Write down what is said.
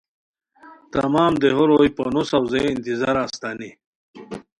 تمام دیہو روئے پونو ساؤزئے انتظارہ استانی